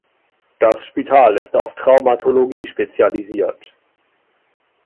Das Spital ist auf Traumatologie spezialisiert.